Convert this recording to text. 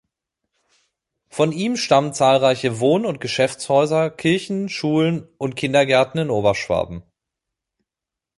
Von ihm stammen zahlreiche Wohn- und Geschäftshäuser, Kirchen, Schulen und Kindergärten in Oberschwaben.